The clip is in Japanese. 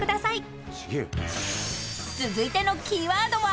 ［続いてのキーワードは］